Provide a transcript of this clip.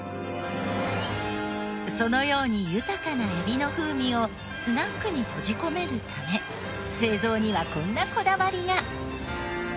そのように豊かなエビの風味をスナックに閉じ込めるため製造にはこんなこだわりが。